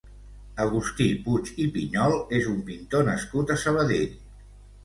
Agustí Puig i Pinyol és un pintor nascut a Sabadell.